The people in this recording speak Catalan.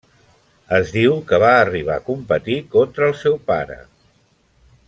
Es diu que va arribar a competir contra el seu pare.